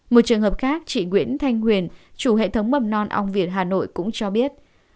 một trường hợp khác chị nguyễn thanh huyền chủ hệ thống mầm non ong việt hà nội cũng cho biết